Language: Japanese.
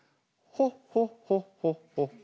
ホッホッホッホ。